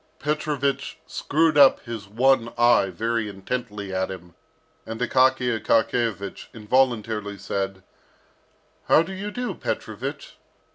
Petrovich screwed up his one eye very intently at him, and Akaky Akakiyevich involuntarily said, "How do you do, Petrovich?"